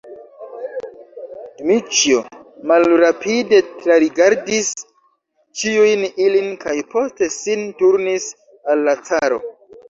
Dmiĉjo malrapide trarigardis ĉiujn ilin kaj poste sin turnis al la caro.